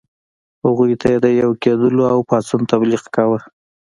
هغوی ته یې د یو کېدلو او پاڅون تبلیغ کاوه.